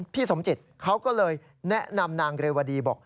พี่สมจิตเขาก็เลยแนะนำนางเรวดีบอก